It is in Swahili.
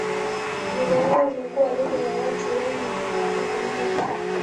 Lugha yao imekuwa lugha ya watu wengi siku hizi.